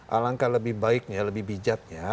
alangkah lebih baiknya lebih bijaknya